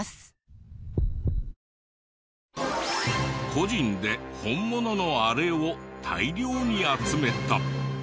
個人で本物のあれを大量に集めた。